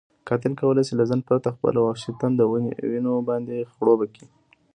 قاتل کولی شي له ځنډ پرته خپله وحشي تنده وینو باندې خړوبه کړي.